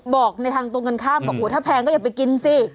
บอกในทางตรงกันข้ามบอกถ้าแพงก็อย่าไปกินสิ